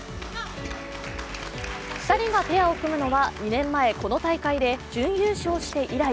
２人がペアを組むのは２年前、この大会で準優勝して以来。